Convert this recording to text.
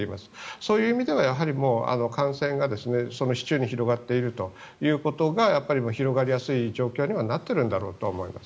そういう意味ではもう感染が市中に広がっているというのが広がりやすい状況にはなっているんだろうと思います。